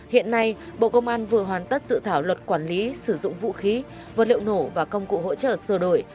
hiện nay bộ công an vừa hoàn tất dự thảo luật quản lý sử dụng vũ khí vật liệu nổ và công cụ hỗ trợ sửa đổi